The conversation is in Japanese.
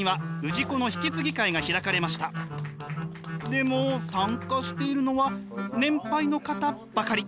でも参加しているのは年配の方ばかり。